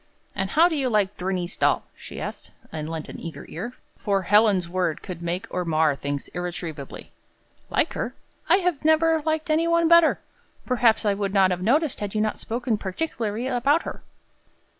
"And how do you like Bernice Dahl?" she asked, and lent an eager ear; for Helen's word could make or mar things irretrievably. "Like her? I have never liked any one better. Perhaps I would not have noticed, had you not spoken particularly about her."